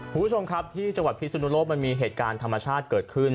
คุณผู้ชมครับที่จังหวัดพิสุนุโลกมันมีเหตุการณ์ธรรมชาติเกิดขึ้น